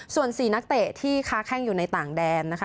ส่วน๔นักเตะที่ค้าแข้งอยู่ในต่างแดนนะคะ